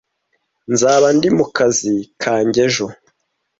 Nzaba ndi mu kazi kanjye ejo.